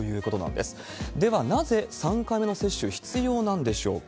では、なぜ３回目の接種、必要なんでしょうか。